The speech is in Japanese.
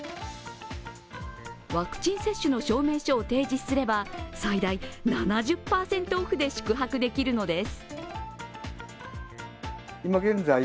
ワクチン接種の証明書を提示すれば最大７０％オフで宿泊できるのです。